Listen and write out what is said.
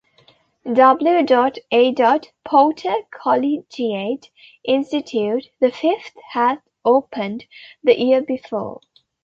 W. A. Porter Collegiate Institute, the fifth, had opened the year before.